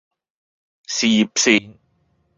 事業線